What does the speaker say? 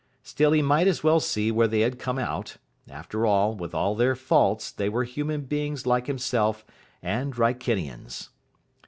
Still he might as well see where they had come out. After all, with all their faults, they were human beings like himself, and Wrykinians.